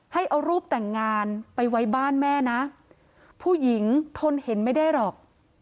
ให้เอารูปแต่งงานไปไว้บ้านแม่นะผู้หญิงทนเห็นไม่ได้หรอก